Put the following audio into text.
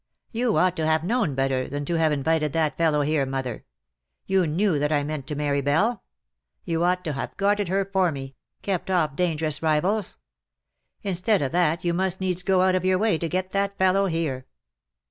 You ought to have known better than to have invited that fellow here^ mother; you knew that I meant to marry Belle. You ought to have guarded her for me — kept off dangerous rivals. Instead of that you must needs go out of your way to get that fellow here.